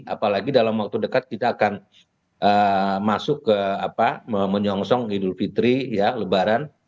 apalagi dalam waktu dekat kita akan masuk ke apa menyongsong idul fitri ya lebaran